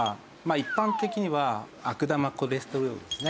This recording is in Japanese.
一般的には悪玉コレステロールですね。